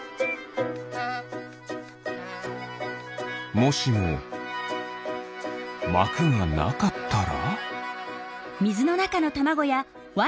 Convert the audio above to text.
もしもまくがなかったら？